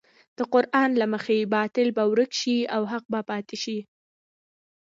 د قران له مخې باطل به ورک شي او حق به پاتې شي.